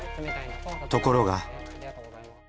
ところが。